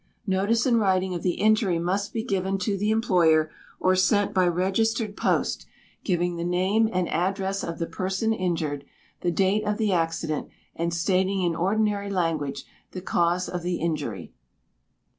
Notice in writing of the injury must be given to the employer, or sent by registered post, giving the name and address of the person injured, the date of the accident, and stating in ordinary language the cause of the injury.